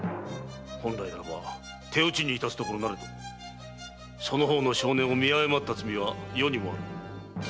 本来ならば手討ちにいたすところなれどその方の性根を見誤った罪は余にもある。